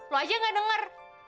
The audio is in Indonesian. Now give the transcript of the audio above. lo aja nggak denger